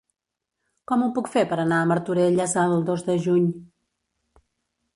Com ho puc fer per anar a Martorelles el dos de juny?